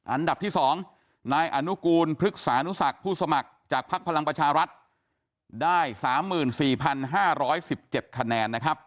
อันดับที่๒นายอนุกูลพฤกษานุศักดิ์ผู้สมัครจากภักดิ์พลังประชารัฐได้๓๔๕๑๗คะแนนนะครับ